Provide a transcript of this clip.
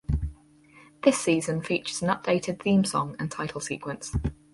This season features an updated theme song and title sequence.